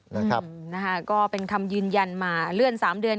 นะฮะก็เป็นคำยืนยันมาเลื่อนสามเดือน